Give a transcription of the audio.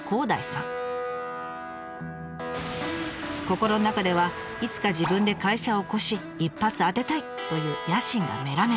心の中では「いつか自分で会社をおこし一発当てたい！」という野心がメラメラ！